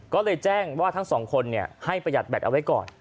ก็เลยแจ้งว่าทั้งสองคนให้ประหยัดแบตเอาไว้ก่อน